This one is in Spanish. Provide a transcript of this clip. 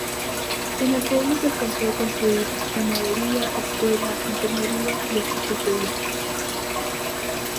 En el pueblo se alcanzó a construir panadería, escuela, enfermería y hasta pulpería.